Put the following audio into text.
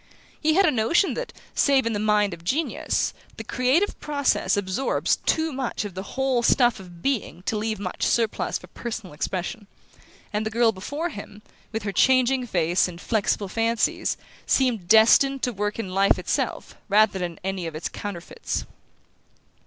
He had a notion that, save in the mind of genius, the creative process absorbs too much of the whole stuff of being to leave much surplus for personal expression; and the girl before him, with her changing face and flexible fancies, seemed destined to work in life itself rather than in any of its counterfeits.